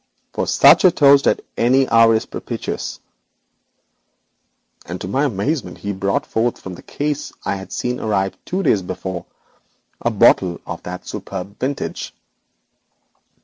For such a toast any hour is propitious,' and to my amazement he brought forth from the case I had seen arrive two days before, a bottle of that superb Camelot Frères '78.